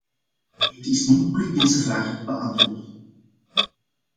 Het is niet moeilijk deze vragen te beantwoorden.